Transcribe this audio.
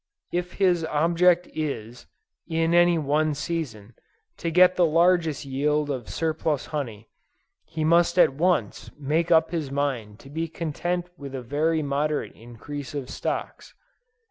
If his object is, in any one season, to get the largest yield of surplus honey, he must at once make up his mind to be content with a very moderate increase of stocks.